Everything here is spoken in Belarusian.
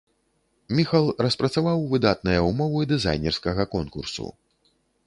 Міхал распрацаваў выдатныя ўмовы дызайнерскага конкурсу.